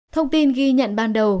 thông tin ghi nhận ban đầu